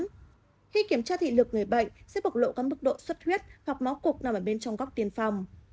khi kiểm tra thị lực người bệnh sẽ bộc lộ các mức độ suất huyết hoặc máu cục nằm ở bên trong góc tiền phòng